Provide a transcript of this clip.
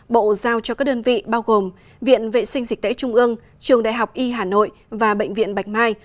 bộ giao cho các đơn vị bao gồm viện vệ sinh dịch tễ trung ương trường đại học y hà nội và bệnh viện bạch mai